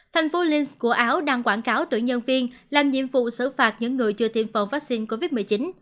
thành phố links của áo đang quảng cáo tuyển nhân viên làm nhiệm vụ xử phạt những người chưa tiêm phòng vaccine covid một mươi chín